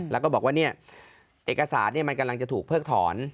แล้วก็บอกว่าเอกสารมันกำลังจะถูกเพิกถอน